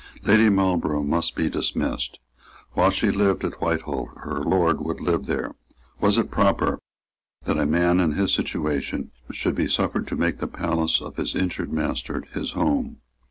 Lady Marlborough must be dismissed. While she lived at Whitehall her lord would live there. Was it proper that a man in his situation should be suffered to make the palace of his injured master his home?